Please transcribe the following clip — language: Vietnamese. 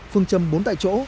phương châm bốn tại chỗ